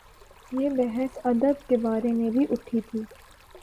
یہ بحث ادب کے بارے میں بھی اٹھی تھی۔